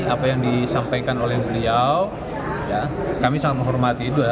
apa yang disampaikan oleh beliau kami sangat menghormati itu adalah